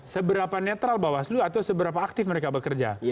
seberapa netral bawaslu atau seberapa aktif mereka bekerja